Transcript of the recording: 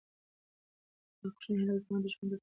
دغه کوچنی هلک زما د ژوند تر ټولو سخت امتحان دی.